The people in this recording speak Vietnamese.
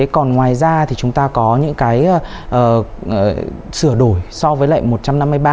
còn ngoài ra thì chúng ta có những cái sửa đổi so với lại một trăm năm mươi ba